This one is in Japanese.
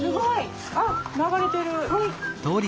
あっ流れてる。